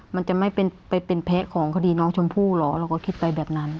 มันจะไม่ไปเป็นแพ้ของคดีน้องชมพู่เหรอเราก็คิดไปแบบนั้น